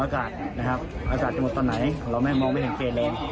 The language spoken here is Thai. อากาศจะหมดตอนไหนเราไม่มองไปถึงเกณฑ์เลย